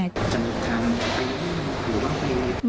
จะหยุดทางไปหรือบ้างดี